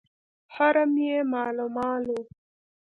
حرم یې مالامال وو.